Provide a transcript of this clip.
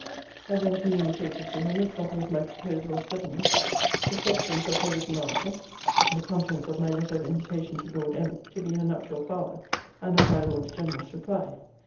'I then communicated to him a copy of my proposal of settlement; the substance of her written answer; the contents of my letter of invitation to Lord M. to be her nuptial father; and of my Lord's generous reply.